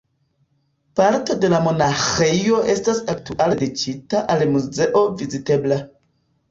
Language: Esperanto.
Parto de la monaĥejo estas aktuale dediĉita al muzeo vizitebla.